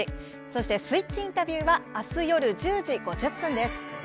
そして「ＳＷＩＴＣＨインタビュー」はあす夜１０時５０分です。